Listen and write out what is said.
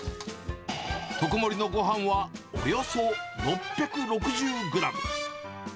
特盛のごはんはおよそ６６０グラム。